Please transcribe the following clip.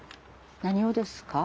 何をですか？